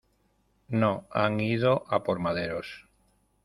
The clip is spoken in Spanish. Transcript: no han ido a por maderos.